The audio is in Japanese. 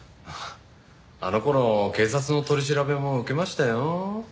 あの頃警察の取り調べも受けましたよ。